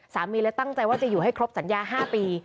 สามีเลยตั้งใจว่าจะอยู่ให้ครบสัญญา๕ปี